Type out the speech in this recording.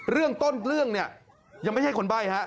เรื่องต้นเรื่องเนี่ยยังไม่ใช่คนใบ้ฮะ